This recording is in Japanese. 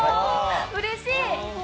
うれしい！